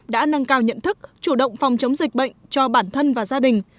đã nâng cao nhận thức chủ động phòng chống dịch bệnh cho bản thân và gia đình